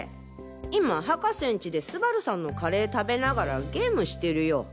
今博士ん家で昴さんのカレー食べながらゲームしてるよ。